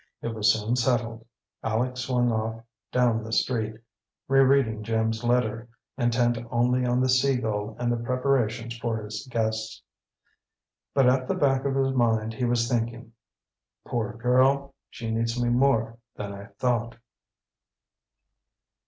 It was soon settled. Aleck swung off down the street, re reading Jim's letter, intent only on the Sea Gull and the preparations for his guests. But at the back of his mind he was thinking, "Poor girl! She needs me more than I thought!"